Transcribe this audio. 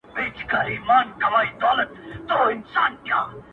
په ساز جوړ وم، له خدايه څخه ليري نه وم,